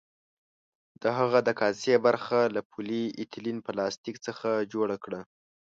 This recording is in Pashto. د هغه د کاسې برخه له پولي ایتلین پلاستیک څخه جوړه کړه.